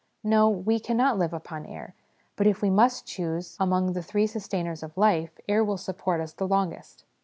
No ; we cannot live upon air ; but, if we must choose among the three sustain.ers of life, air will support us the longest.